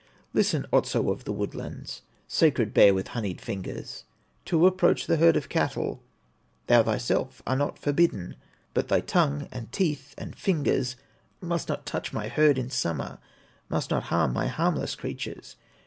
"Listen, Otso of the woodlands, Sacred bear with honeyed fingers, To approach the herd of cattle Thou thyself art not forbidden, But thy tongue, and teeth, and fingers, Must not touch my herd in summer, Must not harm my harmless creatures.